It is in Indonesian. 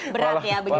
berat ya begitu ya